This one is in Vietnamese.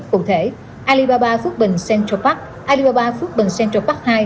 cụ thể alibaba phước bình central park alibaba phước bình central park hai